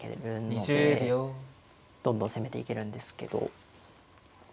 どんどん攻めていけるんですけど。